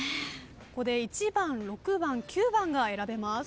ここで１番６番９番が選べます。